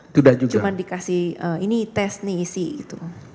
cuman dikasih ini tes ini isi gitu